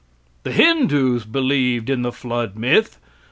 The Hindoos believed in the flood myth.